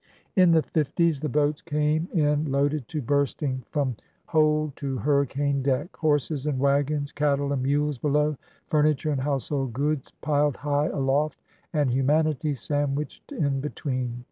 In the fifties the boats came in loaded to bursting from hold to hurricane deck— horses and wagons, cattle and mules below, furniture and household goods piled high aloft, and humanity sandwiched in between.